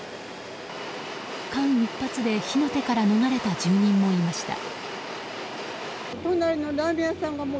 間一髪で火の手から逃れた住民もいました。